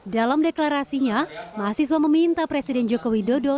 dalam deklarasinya mahasiswa meminta presiden jokowi dodo